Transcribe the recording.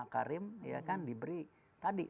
karim ya kan diberi tadi